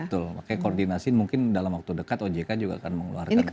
betul makanya koordinasi mungkin dalam waktu dekat ojk juga akan mengeluarkan